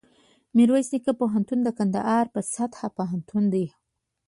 میرویس نیکه پوهنتون دکندهار په سطحه پوهنتون دی